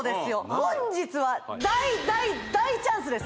本日は大大大チャンスです